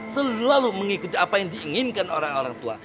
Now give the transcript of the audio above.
selalu mengikuti apa yang diinginkan orang orang tua